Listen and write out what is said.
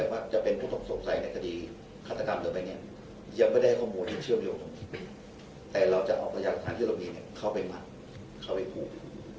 แถมว่าจะเป็นผู้ตกสงสัยในทดีร์คาตะกรรมทั่วไปยังไม่ได้ข้อมูลเชื่อมโยมแต่เราจะเอาปัญญารับฐานที่เรามีนะเข้าไปหวังเขาไปพูด